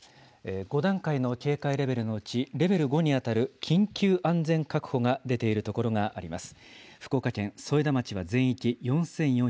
５段階の警戒レベルのうちレベル５に当たる緊急安全確保が出ている所があります。